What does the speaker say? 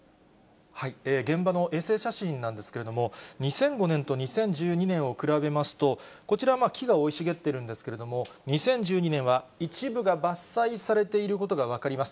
現場の衛星写真なんですけれども、２００５年と２０１２年を比べますと、こちらは木が生い茂っているんですけれども、２０１２年は一部が伐採されていることが分かります。